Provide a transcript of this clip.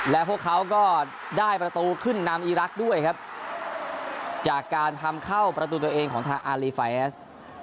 และพวกเขาก็ได้ประตูขึ้นนำอีรักษ์ด้วยครับจากการทำเข้าประตูตัวเองของทางอารีไฟแอส